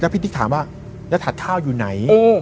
พี่ติ๊กถามว่าแล้วถัดข้าวอยู่ไหน